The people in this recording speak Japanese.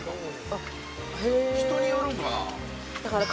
人によるんかな？